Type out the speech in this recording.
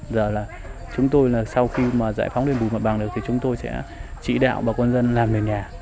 giờ là chúng tôi là sau khi mà giải phóng lên bùi mặt bằng được thì chúng tôi sẽ chỉ đạo bà con dân làm nền nhà